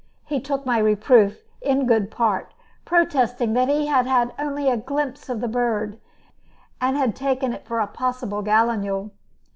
He took my reproof in good part, protesting that he had had only a glimpse of the bird, and had taken it for a possible gallinule.